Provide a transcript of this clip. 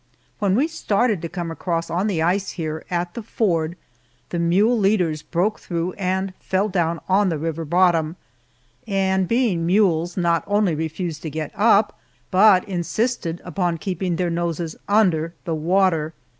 When we started to come across on the ice here at the ford, the mule leaders broke through and fell down on the river bottom, and being mules, not only refused to get up, but insisted upon keeping their noses under the water.